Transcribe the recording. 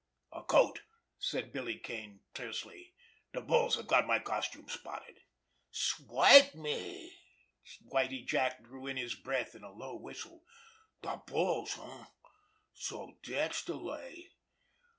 "A coat," said Billy Kane tersely. "The bulls have got my costume spotted." "Swipe me!" Whitie Jack drew in his breath in a low whistle. "De bulls—eh? So dat's de lay!